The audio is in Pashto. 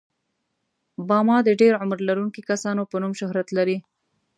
باما د ډېر عمر لرونکو کسانو په نوم شهرت لري.